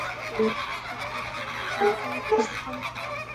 আমরা একসাথে খাইতাম-দাইতাম, খেলতাম, পড়তাম।